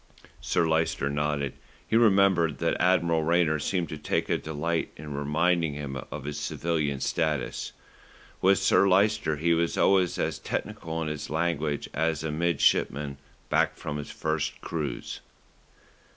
Sir Lyster nodded. He remembered that Admiral Rayner seemed to take a delight in reminding him of his civilian status. With Sir Lyster he was always as technical in his language as a midshipman back from his first cruise.